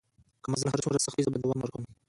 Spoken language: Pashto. که مزل هر څومره سخت وي زه به دوام ورکوم.